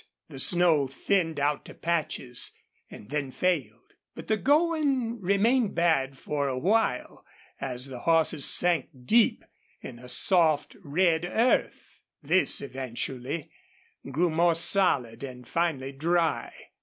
The snow thinned out to patches, and then failed. But the going remained bad for a while as the horses sank deep in a soft red earth. This eventually grew more solid and finally dry.